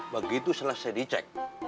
begitu setelah saya dicek